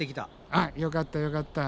あっよかったよかった。